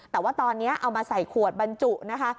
แต่ว่าตอนนี้เอามาใส่ขวดบรรจุนะคะ